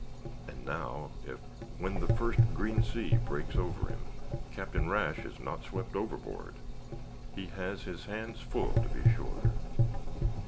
And now, if, when the first green sea breaks over him, Captain Rash is not swept overboard, he has his hands full to be sure.